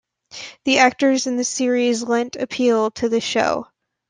The actors in the series lent appeal to the show.